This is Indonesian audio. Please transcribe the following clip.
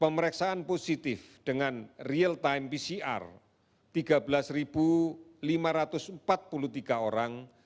pemeriksaan positif dengan real time pcr tiga belas lima ratus empat puluh tiga orang